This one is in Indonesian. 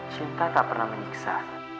cinta tak pernah menyiksa